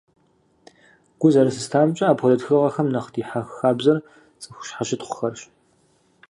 Гу зэрылъыстамкӀэ, апхуэдэ тхыгъэхэм нэхъ дихьэх хабзэр цӀыху щхьэщытхъухэрщ.